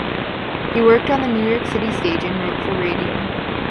He worked on the New York City stage and wrote for radio.